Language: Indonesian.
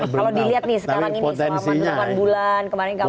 kalau dilihat nih sekarang ini selama delapan bulan kemarin